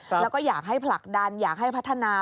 แล้วก็อยากให้ผลักดันอยากให้พัฒนา